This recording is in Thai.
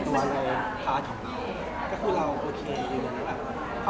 ก็คือเราโอเคอยู่นะครับ